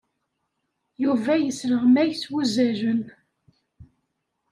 Yuba yesleɣmay s wuzzalen.